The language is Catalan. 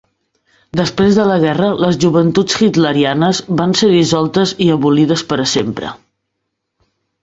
Després de la guerra, les Joventuts Hitlerianes van ser dissoltes i abolides per a sempre.